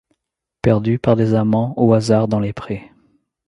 Perdus par des amants au hasard-dans les prés